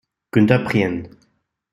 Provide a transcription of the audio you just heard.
Günter Prien